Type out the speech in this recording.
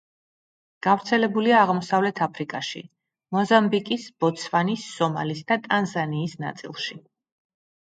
გავრცელებულია აღმოსავლეთ აფრიკაში მოზამბიკის, ბოტსვანის, სომალის და ტანზანიის ნაწილში.